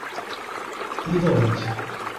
Ivolândia